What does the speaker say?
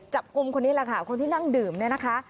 คนนี้แหละค่ะคนที่นั่งดื่มเนี่ยนะคะ